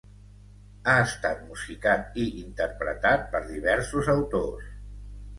Ha estat musicat i interpretat per diversos autors.